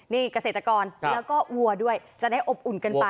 นี่เกษตรกรแล้วก็วัวด้วยจะได้อบอุ่นกันไป